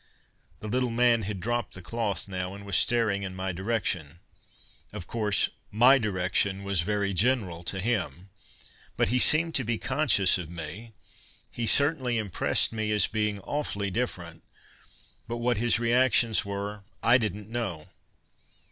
The little man had dropped the cloth now, and was staring in my direction. Of course, "my direction" was very general to him; but he seemed to be conscious of me. He certainly impressed me as being awfully different, but what his reactions were, I didn't know.